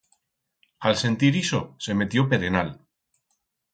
A'l sentir ixo se metió perenal.